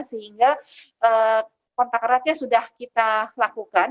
sehingga kontak eratnya sudah kita lakukan